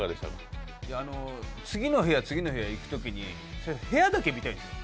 次の部屋、次の部屋いくとき部屋だけ見たいんですよ